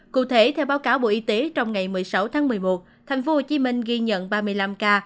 cụ thể theo báo cáo bộ y tế trong ngày một mươi sáu tháng một mươi một tp hcm ghi nhận ba mươi năm ca